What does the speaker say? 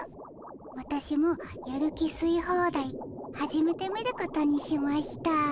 わたしもやる気すいホーダイ始めてみることにしました。